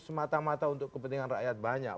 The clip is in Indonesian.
semata mata untuk kepentingan rakyat banyak